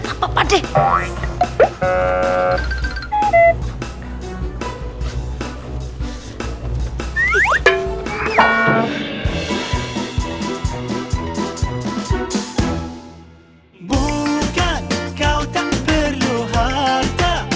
kau tak perlu harta